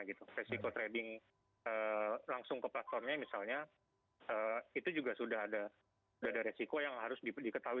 gitu resiko trading langsung ke platformnya misalnya itu juga sudah ada resiko yang harus diketahui